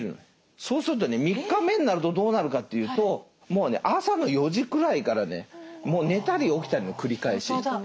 そうするとね３日目になるとどうなるかというともうね朝の４時くらいからねもう寝たり起きたりの繰り返し。